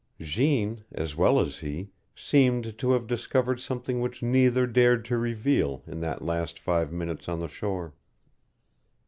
Jeanne, as well as he, seemed to have discovered something which neither dared to reveal in that last five minutes on the shore.